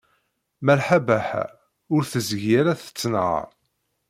Malḥa Baḥa ur tezgi ara tettenhaṛ.